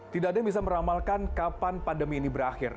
tidak ada yang bisa meramalkan kapan pandemi ini berakhir